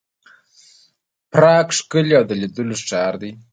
پراګ ښکلی او د لیدلو ښار دی.